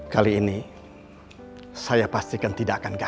kali ini saya pastikan tidak akan gagal